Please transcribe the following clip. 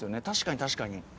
確かに確かに。